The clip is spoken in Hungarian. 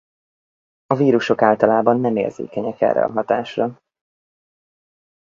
A vírusok általában nem érzékenyek erre a hatásra.